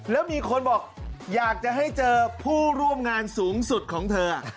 แล้วมีคนบอกอยากจะให้เจอผู้ร่วมงานสูงสุดของเธอ